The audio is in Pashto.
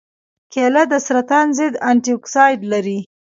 کېله د سرطان ضد انتياکسیدان لري.